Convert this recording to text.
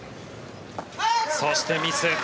そしてミス。